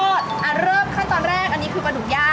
ก็เริ่มขั้นตอนแรกอันนี้คือปลาดุกย่าง